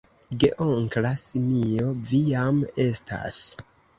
Geonkla simio: "Vi jam estas!"